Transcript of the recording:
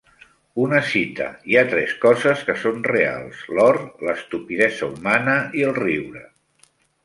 Una cita: hi ha tres coses que són reals: l'or, l'estupidesa humana i el riure.